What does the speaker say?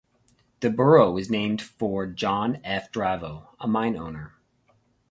The borough was named for John F. Dravo, a mine owner.